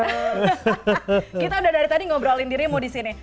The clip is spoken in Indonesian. kita udah dari tadi ngobrolin diri mau disini